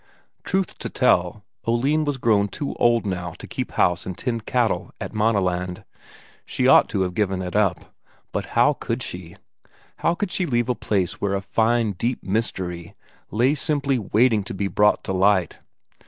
Truth to tell, Oline was grown too old now to keep house and tend cattle at Maaneland; she ought to have given it up. But how could she? How could she leave a place where a fine, deep mystery lay simply waiting to be brought to light?